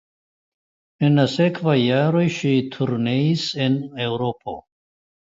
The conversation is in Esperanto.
En la sekvaj jaroj ŝi turneis en Eŭropo.